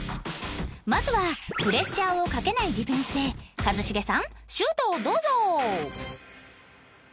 まずはプレッシャーをかけないディフェンスで一茂さんシュートをどうぞ